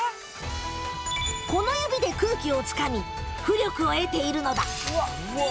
この指で空気をつかみ浮力を得ているのだ。